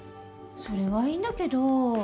それはいいんだけど。